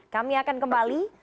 kami akan kembali